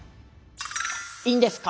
いいんですか？